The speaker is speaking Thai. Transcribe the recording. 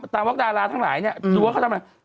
ตามวักดาราทั้งหลายรู้ว่าเขาทำอะไร